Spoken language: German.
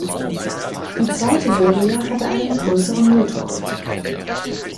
Die zweite Serie hatte einen größeren Motor.